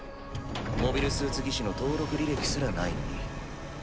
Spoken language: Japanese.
モビルスーツ技師の登録履歴すらないのに。